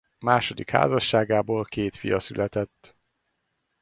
Második házasságából két fia született.